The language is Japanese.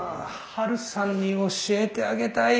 ハルさんに教えてあげたい！